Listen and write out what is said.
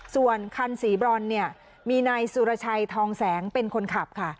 ส่วนคันสีบร่อนมีนายสุรชัยทองแสงเป็นคนขับ